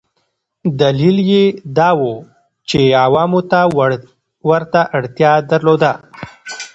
دلیل یې دا و چې عوامو ورته اړتیا درلوده.